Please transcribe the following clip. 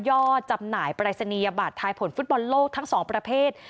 จำหน่ายปรายศนียบัตรทายผลฟุตบอลโลกทั้งสองประเภท